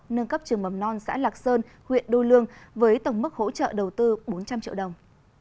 nâng cấp trường mầm non xã lạc sơn huyện đô lương với tổng mức hỗ trợ đầu tư bốn trăm linh triệu đồng